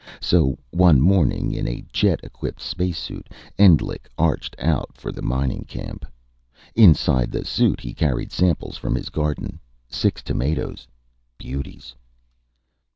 So, one morning, in a jet equipped space suit, Endlich arced out for the mining camp. Inside the suit he carried samples from his garden. Six tomatoes. Beauties.